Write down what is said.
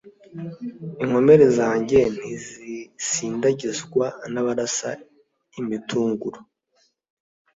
Inkomere zanjye ntizisindagizwa n' abarasa imitunguro.